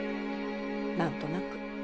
何となく。